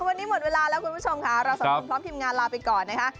วันนี้หมดเวลาแล้วคุณผู้ชมค่ะเราสองคนพร้อมทีมงานลาไปก่อนนะคะ